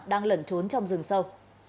đang lẩn trốn trong rừng sâu